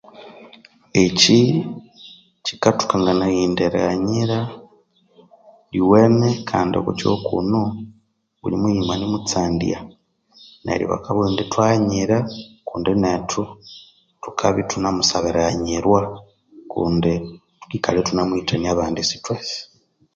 Eki kyikatukangania indi erighanyira lhiwene kandi okwakighu kuno obulhimughima nimutsyandya neryo bakabugha thathi ambii nethu ithaghanyira kundi ithwasaba erighanyirwa thukikalha ithunimuhithania abandi isithwasi